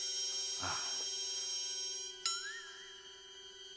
ああ。